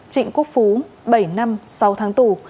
trịnh quốc phú bảy năm sáu tháng tù